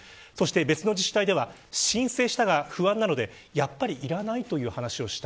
別の自治体では申請したが不安なのでやっぱりいらないという話をした。